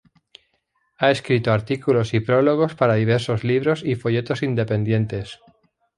Ha escrito artículos y prólogos para diversos libros y folletos independientes.